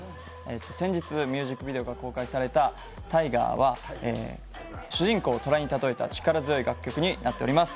先日ミュージックビデオが公開された「Ｔｉｇｅｒ」は、主人公を虎に例えた力強い楽曲になっています。